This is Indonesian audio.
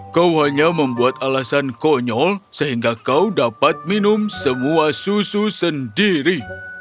kau hanya membuat alasan konyol sehingga kau dapat minum semua susu sendiri